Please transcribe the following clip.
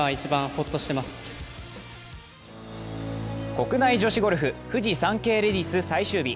国内女子ゴルフ、フジサンケイレディス最終日。